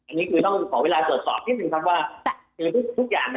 อันนี้ต้องขอเวลาสอบที่สงสัยบ้างคือทุกอย่างน้อย